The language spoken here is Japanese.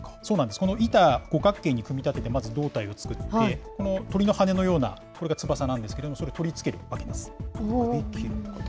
この板、五角形に組み立てて、まず胴体を作って、この鳥の羽のような、これが翼なんですけれども、それを取り付けるわけです。